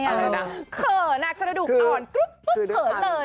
เขินน่ะกระดูกอ่อน